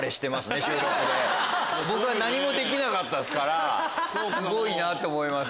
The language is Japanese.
僕は何もできなかったっすからすごいな！と思います。